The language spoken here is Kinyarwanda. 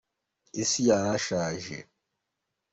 isi yarashaje